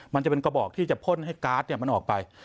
มันจะเป็นกระบอกที่จะพ่นให้การ์ดมันออกไป